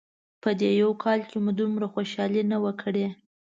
په دې یو کال مو دومره خوشحالي نه وه کړې.